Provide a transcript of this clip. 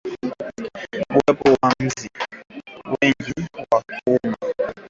Uwepo wa nzi wengi wa kuuma